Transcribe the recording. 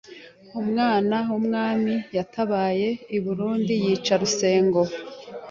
umwana w’umwami yatabaye i Burundi yica Rusengo